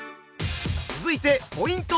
続いてポイント